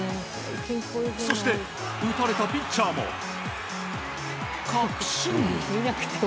そして打たれたピッチャーも確信。